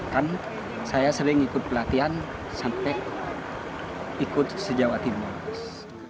kan saya sering ikut pelatihan sampai ikut sejawat di monas